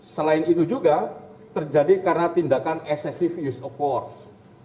selain itu juga terjadi karena tindakan excessive use of force